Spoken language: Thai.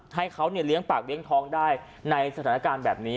ให้เขาเลี้ยงปากเลี้ยงท้องได้ในสถานการณ์แบบนี้